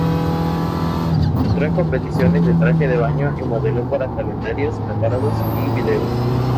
Entró en competiciones de traje de baño y modeló para calendarios, catálogos y videos.